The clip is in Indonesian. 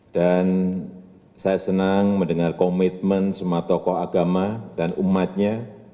saya senang mendengar komitmen semua tokoh agama dan umatnya